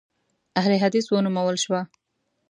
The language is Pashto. اهل حدیث ونومول شوه.